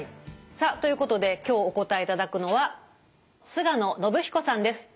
さあということで今日お答えいただくのは菅野伸彦さんです。